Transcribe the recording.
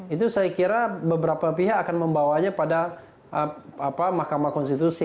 itu saya kira beberapa pihak akan membawanya pada mahkamah konstitusi